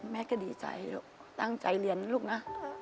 แม่ก็ดีใจลูกตั้งใจเรียนนะลูกนะ